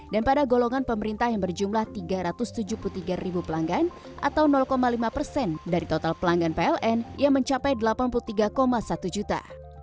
dan pada golongan pemerintah yang berjumlah tiga ratus tujuh puluh tiga ribu pelanggan atau lima persen dari total pelanggan pln yang mencapai delapan puluh tiga satu juta